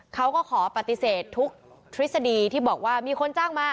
เขาก็ขอปฏิเสธทุกทฤษฎีที่บอกว่ามีคนจ้างมา